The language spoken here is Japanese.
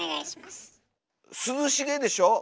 涼しげでしょ？